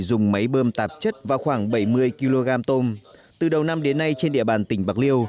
dùng máy bơm tạp chất vào khoảng bảy mươi kg tôm từ đầu năm đến nay trên địa bàn tỉnh bạc liêu